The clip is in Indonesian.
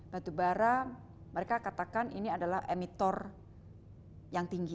batubara mereka katakan ini adalah emitor yang tinggi